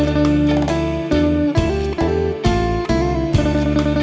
แม่งก็รัด